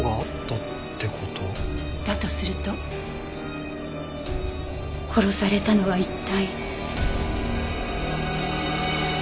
だとすると殺されたのは一体。